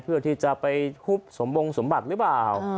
เพื่อที่จะไปฮุบสมบงสมบัติหรือเปล่า